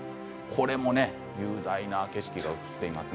これも雄大な景色が映っています。